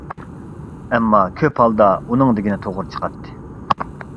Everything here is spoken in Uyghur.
ئەمما كۆپ ھالدا ئۇنىڭ دېگىنى توغرا چىقاتتى.